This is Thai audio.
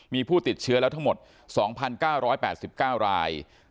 มีผู้ติดเชื้อแล้วทั้งหมด๒๙๘๙ราย